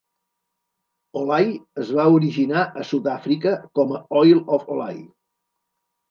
Olay es va originar a Sud-àfrica com a Oil of Olay.